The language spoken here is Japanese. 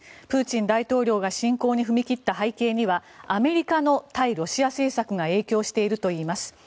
プーチン大統領が侵攻に踏み切った背景にはアメリカの対ロシア政策が影響しているといいます。